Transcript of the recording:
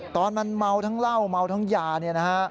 ตอนมันเมาทั้งเหล้าเมาทั้งยาเนี่ยนะฮะ